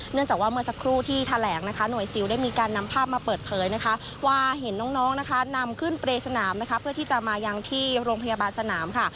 จากว่าเมื่อสักครู่ที่แถลงนะคะหน่วยซิลได้มีการนำภาพมาเปิดเผยนะคะว่าเห็นน้องนะคะนำขึ้นเปรย์สนามนะคะเพื่อที่จะมายังที่โรงพยาบาลสนามค่ะ